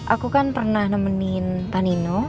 aku kan pernah nemenin tanino